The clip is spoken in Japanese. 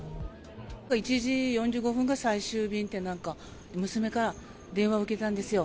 １時４５分が最終便って、なんか娘から電話を受けたんですよ。